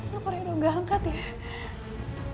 laparin udah gak angkat ya